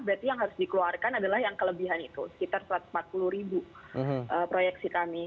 berarti yang harus dikeluarkan adalah yang kelebihan itu sekitar satu ratus empat puluh ribu proyeksi kami